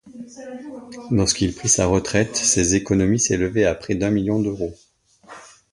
Lorsqu'il prit sa retraite, ses économies s’élevaient à près d'un million d’euros.